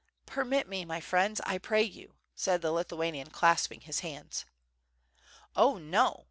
"Permit me, my friends, I pray you," said the Lithuanian, clasping his hands. "Oh, no!